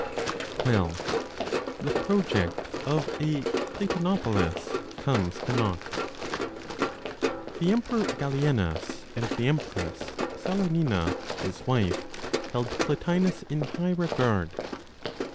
XII. THE PROJECT OF A PLATONOPOLIS COMES TO NAUGHT. The emperor Gallienus and the empress Salonina, his wife, held Plotinos in high regard.